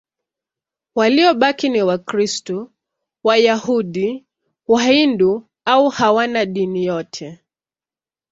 Waliobaki ni Wakristo, Wayahudi, Wahindu au hawana dini yote.